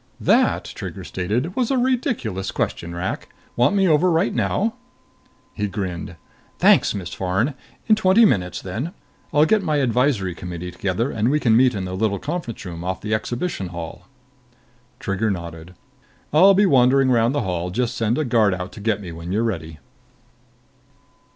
"That," Trigger stated, "was a ridiculous question, Rak! Want me over right now?" He grinned. "Thanks, Miss Farn! In twenty minutes then? I'll get my advisory committee together and we can meet in the little conference room off the Exhibition Hall." Trigger nodded. "I'll be wandering around the Hall. Just send a guard out to get me when you're ready."